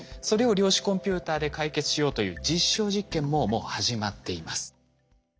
それを量子コンピューターで解決しようという実証実験ももう始まっています。